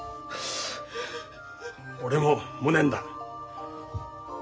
俺も無念だ。